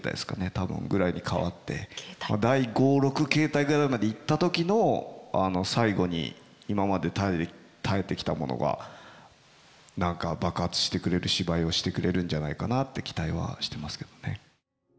多分ぐらいに変わって第５６形態ぐらいまでいった時の最後に今まで耐えてきたものが何か爆発してくれる芝居をしてくれるんじゃないかなって期待はしてますけどね。